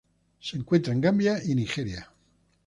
Se encuentra en Gambia y Nigeria.